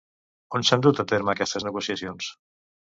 On s'han dut a terme aquestes negociacions?